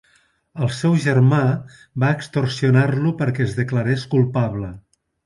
El seu germà va extorsionar-lo perquè es declarés culpable.